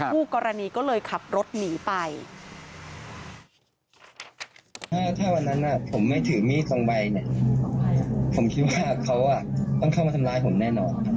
ผมคิดว่าเขาต้องเข้ามาทำลายผมแน่นอน